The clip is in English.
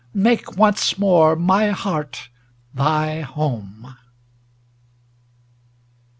Make once more my heart thy home!